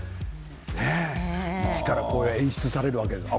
一から演出されるわけですね。